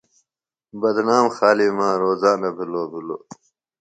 بدنام خالیۡ مہ روزانہ بِھلوۡ بِھلوۡ۔